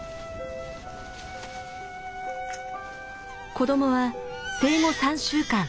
子どもは生後３週間。